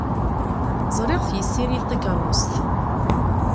Ẓriɣ-t yessirid takeṛṛust.